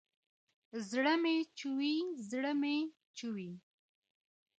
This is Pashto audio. زړه مې چوي ، زړه مې چوي